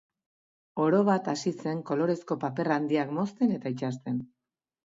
Orobat hasi zen kolorezko paper handiak mozten eta itsasten.